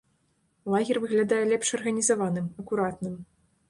Лагер выглядае лепш арганізаваным, акуратным.